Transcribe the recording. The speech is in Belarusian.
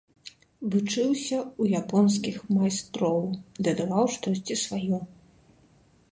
Вучыўся ў японскіх майстроў, дадаваў штосьці сваё.